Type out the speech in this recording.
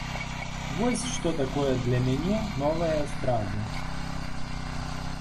Вось што такое для мяне новая эстрада.